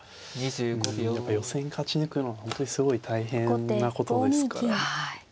やっぱ予選勝ち抜くのは本当にすごい大変なことですから。